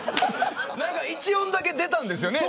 何か一音だけ出たんですよね